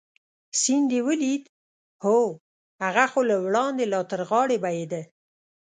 سیند دې ولید؟ هو، هغه خو له وړاندې لا تر غاړې بهېده.